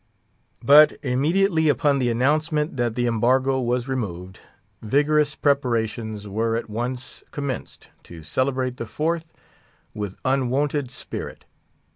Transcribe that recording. But immediately upon the announcement that the embargo was removed, vigorous preparations were at once commenced to celebrate the Fourth with unwonted spirit.